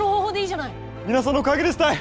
皆さんのおかげですたい！